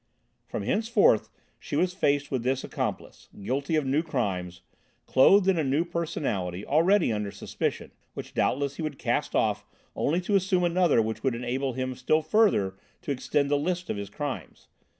From henceforth she was faced with this accomplice, guilty of new crimes, clothed in a new personality, already under suspicion, which doubtless he would cast off only to assume another which would enable him still further to extend the list of his crimes!